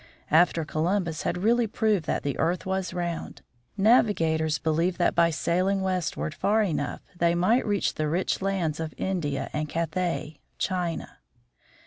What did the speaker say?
After Columbus had really proved that the earth was round, navigators believed that by sailing westward far enough they might reach the rich lands of India and Cathay (China).